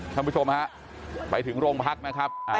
คุณผู้ชมฮะไปถึงโรงพักไหมครับ